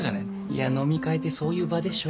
いや飲み会ってそういう場でしょ。